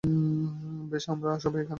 বেশ, আমরা সবাই এখন এখানে।